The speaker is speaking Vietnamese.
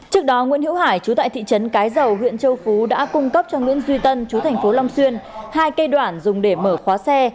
trước đó nguyễn hiễu hải chú tại thị trấn cái dầu huyện châu phú đã cung cấp cho nguyễn duy tân chú thành phố long xuyên hai cây đoạn dùng để mở khóa xe